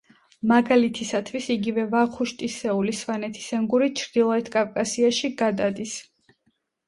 მაგალითისათვის იგივე ვახუშტისეული სვანეთის ენგური ჩრდილოკავკასიაში გადადის.